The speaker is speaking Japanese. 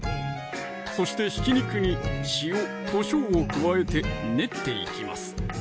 そしてひき肉に塩・こしょうを加えて練っていきます